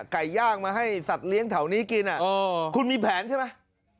ไก่ย่างมาให้สัตว์เลี้ยงแถวนี้กินคุณมีแผนใช่ไหม